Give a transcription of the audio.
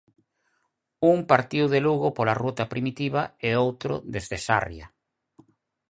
Un partiu de Lugo pola ruta primitiva e outro desde Sarria.